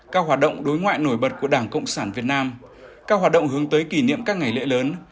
các hoạt động đối ngoại nổi bật của đảng cộng sản việt nam các hoạt động hướng tới kỷ niệm các ngày lễ lớn